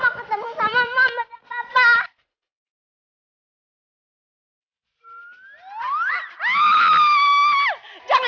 aku mau ketemu sama mama dan papa